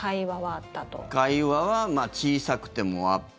会話は小さくてもあった。